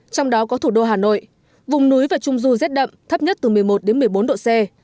trong đó có thủ đô hà nội vùng núi và trung du rét đậm thấp nhất từ một mươi một đến một mươi bốn độ c